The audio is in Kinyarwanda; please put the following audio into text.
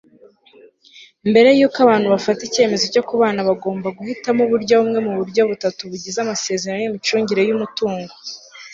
mbere yuko abantu bafata icyemezo cyo kubana bagomba guhitamo uburyo bumwe mu buryo butatu bugize amasezerano y'imicungire y'umutungo